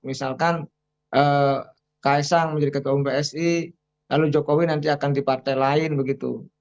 misalkan kaisang menjadi ketua umum psi lalu jokowi nanti akan di partai lain begitu